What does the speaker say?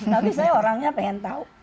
tapi saya orangnya pengen tahu